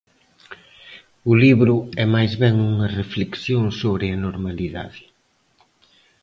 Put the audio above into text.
O libro é máis ben unha reflexión sobre a normalidade.